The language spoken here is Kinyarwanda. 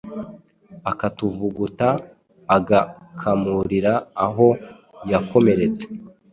akatuvuguta agakamurira aho yakomeretse,